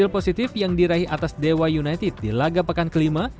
hasil positif yang diraih atas dewa united di laga pekan kelima